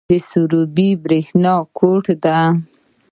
د سروبي بریښنا کوټ دی